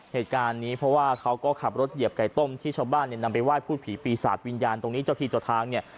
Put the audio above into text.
เหตุการณ์นี้เพราะว่าเขาก็ขับรถเหยียบไก่ต้มที่ชาวบ้านเนี่ยนำไปไหว้พูดผีปีศาจวิญญาณตรงนี้เจ้าที่เจ้าทางเนี่ย